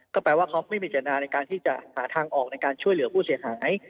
ก็แปลว่าเขาไม่มีเจตนาในการที่จะหาทางออกในการช่วยเหลือผู้เสียหาย